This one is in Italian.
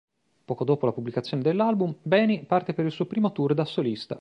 Poco dopo la pubblicazione dell'album, Beni parte per il suo primo tour da solista.